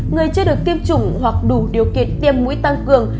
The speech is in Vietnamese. người chưa được tiêm chủng hoặc đủ điều kiện tiêm mũi tăng cường